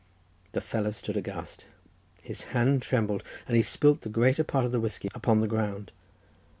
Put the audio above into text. The fellow stood aghast; his hand trembled, and he spilt the greater part of the whiskey upon the ground.